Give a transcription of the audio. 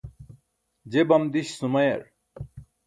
je bam diś sumayar